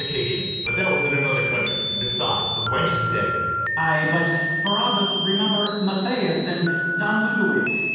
Fornication: but that was in another country; And besides, the wench is dead. FRIAR BARNARDINE. Ay, but, Barabas, Remember Mathias and Don Lodowick.